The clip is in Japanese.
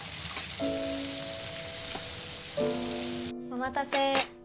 おまたせ。